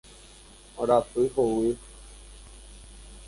Arapy hovy